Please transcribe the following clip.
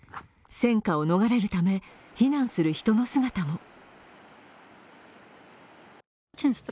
戦火を逃れるため、避難する人の姿も。